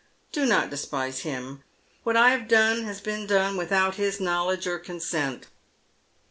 " Do not despise him. What I have done has been done with out his knowledge or consent.